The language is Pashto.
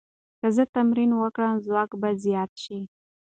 که زه تمرین وکړم، ځواک به زیات شي.